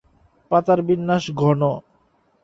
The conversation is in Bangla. পাতার বিন্যাস ঘন।